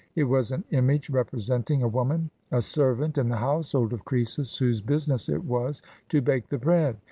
It was an image representing a woman, a servant in the household of Croesus, whose business it was to bake the bread.